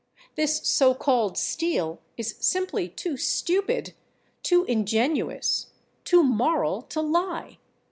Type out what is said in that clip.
This so called Steele is simply too stupid, too ingenuous, too moral to lie.